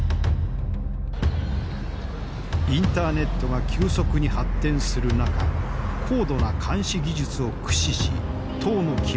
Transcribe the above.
インターネットが急速に発展する中高度な監視技術を駆使し党の基盤を強化。